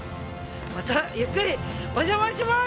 また、ゆっくりお邪魔します。